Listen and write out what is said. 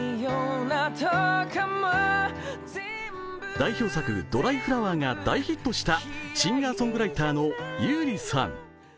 代表作「ドライフラワー」が大ヒットしたシンガーソングライターの優里さん。